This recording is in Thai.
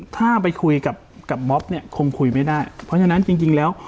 ถ้าไปคุยกับม็อบเนี่ยคงคุยไม่ได้เพราะฉะนั้นจริงแล้ว